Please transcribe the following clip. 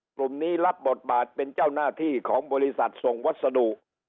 กลุ่มนี้รับบทบาทเป็นเจ้าหน้าที่ของบริษัทส่งวัสดุ